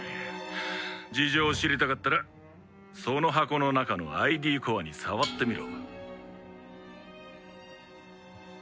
事情を知りたかったらその箱の中のＩＤコアに触ってみろ。